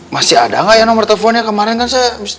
masih ada nggak ya nomor teleponnya kemarin kan saya